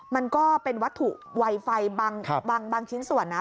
มันก็เป็นวัตถุไวไฟบางชิ้นส่วนนะ